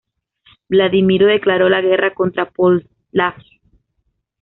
Vladimiro declaró la guerra contra Pólatsk.